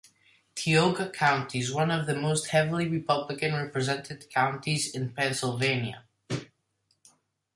Tioga County is one of the most heavily Republican represented counties in Pennsylvania.